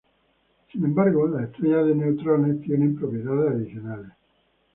Sin embargo, las estrellas de neutrones tienen propiedades adicionales.